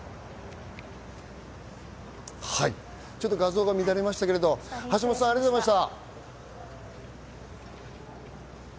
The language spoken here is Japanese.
ちょっと画像が乱れましたけど橋本さんありがとうございました。